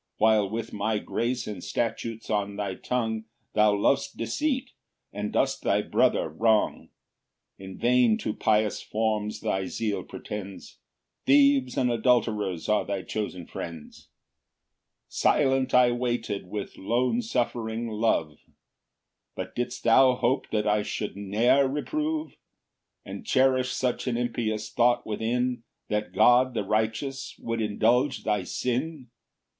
While with my grace and statutes on thy tongue, Thou lov'st deceit, and dost thy brother wrong; In vain to pious forms thy zeal pretends, Thieves and adulterers are thy chosen friends. 8 Silent I waited with lone suffering love, But didst thou hope that I should ne'er reprove? And cherish such an impious thought within, That God the righteous would indulge thy sin?